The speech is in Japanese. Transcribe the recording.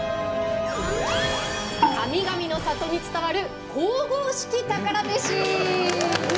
「神々の里に伝わる神々しき宝メシ」。